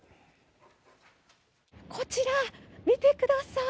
こちら見てください。